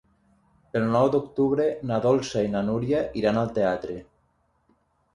El nou d'octubre na Dolça i na Núria iran al teatre.